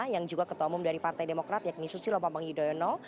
yang juga ketua umum dari partai demokrat yakni susilo bambang yudhoyono